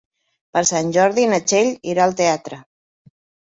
Per Sant Jordi na Txell irà al teatre.